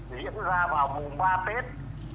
diễn ra vào mùa ba tết